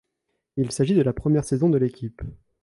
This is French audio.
Il s'agit de la première saison de l'équipe.